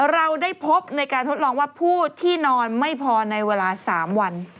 เราได้พบในการทดลองว่าผู้ที่นอนไม่พอในเวลา๓วัน